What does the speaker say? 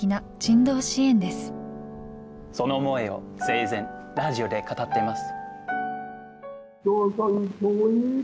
その思いを生前ラジオで語っています。